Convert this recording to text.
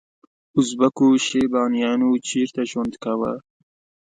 ازبکو شیبانیانو چیرته ژوند کاوه؟